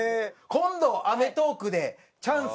今度『アメトーーク』でチャンス